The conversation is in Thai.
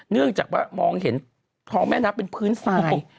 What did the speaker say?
เนื่องจากว่ามองเห็นท้องแม่น้ำเป็นพื้นทราย